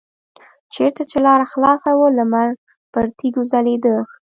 چېرته چې لاره خلاصه وه لمر پر تیږو ځلیده.